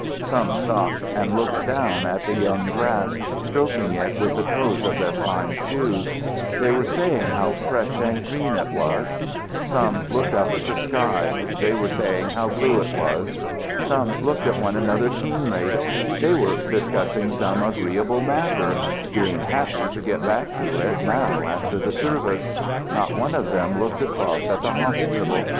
Some stopped and looked down at the young grass, stroking it with the toes of their fine shoes; they were saying how fresh and green it was. Some looked up at the sky; they were saying how blue it was. Some looked at one another keenly; they were discussing some agreeable matter, being happy to get back to it now after the service. Not one of them looked across at the hospital.